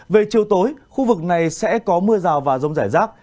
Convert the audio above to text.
về chiều tối khu vực này sẽ có mưa rào và rông rải rác